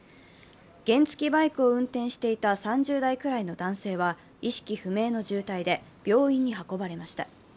原付きバイクを運転していた３０代くらいの男性は意識不明の重体で、病院に運ばれました。